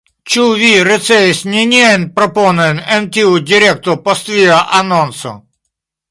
Ĉu vi ricevis neniajn proponojn en tiu direkto post via anonco?